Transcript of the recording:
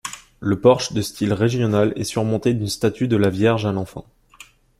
Le porche de style régional est surmonté d'une statue de la Vierge à l'Enfant.